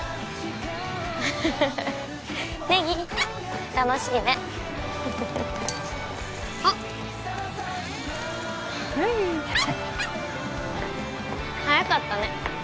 ネギ楽しいねあっ早かったね